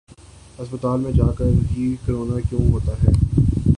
ہسپتال میں جاکر ہی کرونا کیوں ہوتا ہے ۔